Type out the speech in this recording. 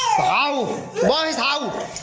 เปล่ามองให้เศร้า